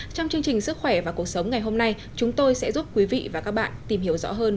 trong chương trình sức khỏe và cuộc sống ngày hôm nay chúng tôi sẽ giúp quý vị và các bạn tìm hiểu rõ hơn